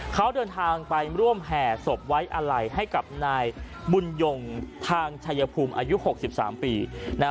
เขาเดินทางไปร่วมแห่ศพไว้อะไรให้กับนายบุญยงทางชายภูมิอายุ๖๓ปีนะฮะ